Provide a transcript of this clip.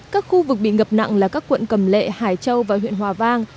các khu vực bị ngập nặng là các quận cầm lệ hải châu và huyện hòa vang